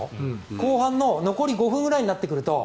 後半の残り５分ぐらいになってくると。